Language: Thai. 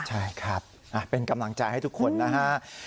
ใช่ครับเป็นกำลังใจให้ทุกคนนะฮะ